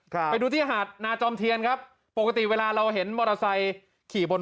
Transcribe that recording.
ไปดูที่หาดนาจอมเทียนครับปกติเวลาเราเห็นมอเตอร์ไซค์ขี่บน